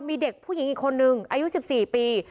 มีเด็กผู้หญิงอีกคนนึงอายุ๑๔ปี